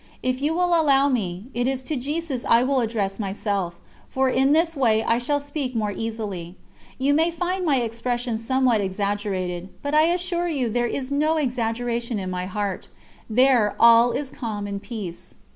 If you will allow me, it is to Jesus I will address myself, for in this way I shall speak more easily. You may find my expressions somewhat exaggerated, but I assure you there is no exaggeration in my heart there all is calm and peace.